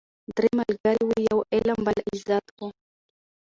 درې ملګري وه یو علم بل عزت وو